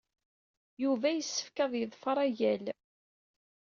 Yuba yessefk ad yeḍfer agal.